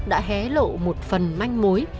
đã hé lộ một phần manh mối